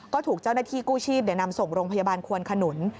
ก็ถูกเจ้าหน้าที่กู้ชีพนำส่งโรงพยาบาลควนขนุน